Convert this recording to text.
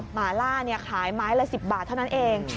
หมาล่าขายไม้ละ๑๐บาทเท่านั้นเอง